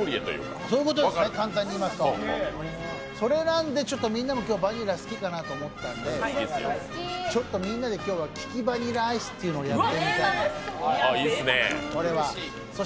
簡単に言いますとそれなんでみんなもバニラ好きかなと思って今日はみんなで利きバニラアイスというのをやってみたいなと思って。